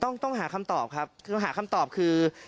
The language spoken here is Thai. ต้องต้องหาคำตอบครับคือต้องหาคำตอบคือ